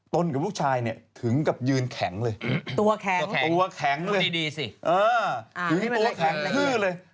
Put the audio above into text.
ตนกับลูกชายถึงกับยืนแข็งเลยตัวแข็งเลย